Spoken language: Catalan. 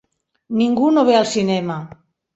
Ningú no ve al cinema.